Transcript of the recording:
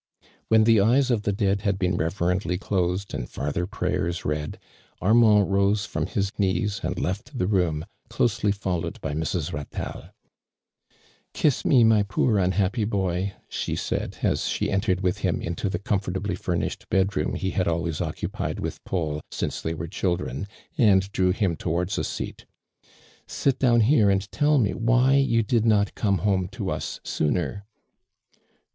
When the eyes of the dead had been re verently close<l ami farther piayei s read, Armand rose from his knees and left the room, closely followed by Mrs. Ratelle. "Kiss me, my poor unhappy boy!" she said, as she entered with him into the oom ibrtably furnished bed room he had always occupied with Paul since they were children, and drew him towards a seat. "Sit down, here and tell me why you clid not come home to us sooner?"